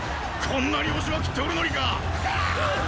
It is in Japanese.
こんなに押しまくっておるのにかァっ！！